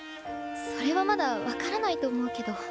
それはまだ分からないと思うけど。